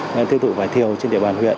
nên tiêu thụ vải thiều trên địa bàn huyện